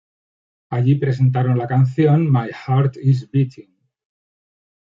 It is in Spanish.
Allí presentaron la canción "My Heart is Beating".